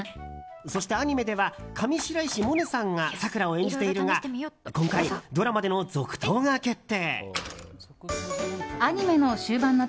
そして、アニメでは上白石萌音さんがさくらを演じているが今回、ドラマでの続投が決定！